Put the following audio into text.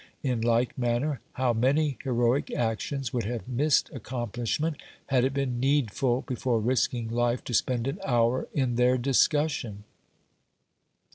In like manner, how many heroic actions would have missed accomplishment had it been needful, before risking life, to spend an hour in their discussion